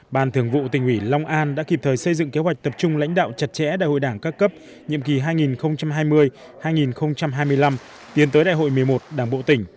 ban thường vụ tỉnh ủy long an đã kịp thời xây dựng kế hoạch tập trung lãnh đạo chặt chẽ đại hội đảng các cấp nhiệm kỳ hai nghìn hai mươi hai nghìn hai mươi năm tiến tới đại hội một mươi một đảng bộ tỉnh